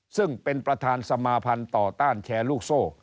ซึ่งเป็นประธานสมาภัณฑ์ต่อต้านแชร์ลูกโซ่